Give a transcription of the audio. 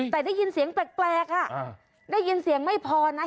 แต่ได้ยินเสียงแปลกได้ยินเสียงไม่พอนะ